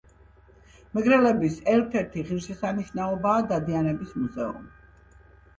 მეგრელების ერთ-ერთი ღირს შესანიშნაობაა დადიანების მუზეუმი